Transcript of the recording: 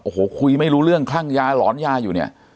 โอ้โหคุยไม่รู้เรื่องคลั่งยาหลอนยาอยู่เนี่ย